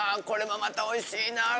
これもまたおいしいな。